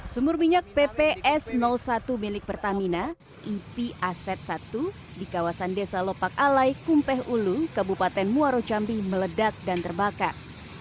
sumur minyak pps satu milik pertamina ip aset satu di kawasan desa lopak alai kumpeh ulu kabupaten muarocambi meledak dan terbakar